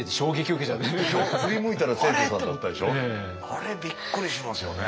あれびっくりしますよね。